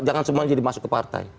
jangan semuanya jadi masuk ke partai